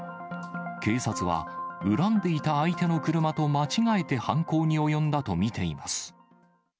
警察は恨んでいた相手の車と間違えて犯行に及んだと見ています。